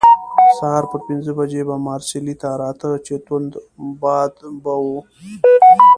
سهار پر پنځه بجې به مارسیلي ته راته، چې توند باد به وو.